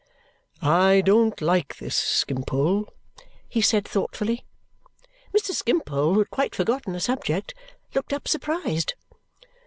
"I don't like this, Skimpole," he said thoughtfully. Mr. Skimpole, who had quite forgotten the subject, looked up surprised.